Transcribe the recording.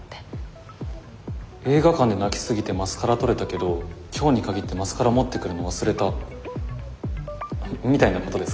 映画館で泣き過ぎてマスカラ取れたけど今日に限ってマスカラ持ってくるの忘れたみたいなことですか？